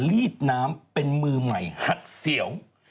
ลีดน้ำเป็นมือใหม่หัดเสียว